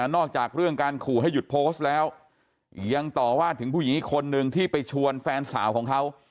จากเรื่องการขู่ให้หยุดโพสต์แล้วยังต่อว่าถึงผู้หญิงอีกคนนึงที่ไปชวนแฟนสาวของเขา